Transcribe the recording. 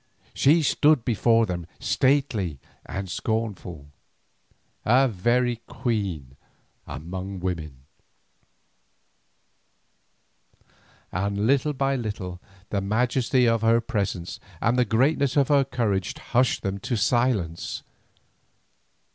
She stood before them stately and scornful, a very queen among women, and little by little the majesty of her presence and the greatness of her courage hushed them to silence.